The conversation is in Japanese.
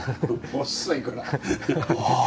細いから。